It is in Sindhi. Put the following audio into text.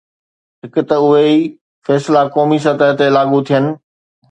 هڪ ته اهي ئي فيصلا قومي سطح تي لاڳو ٿين.